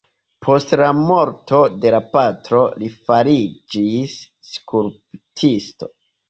Post la morto de la patro li fariĝis skulptisto.